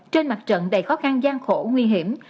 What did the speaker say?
trên mặt trận đầy khó khăn gian khổ nguy hiểm